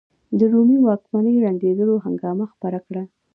د رومي واکمنۍ ړنګېدو هنګامه خپره کړه.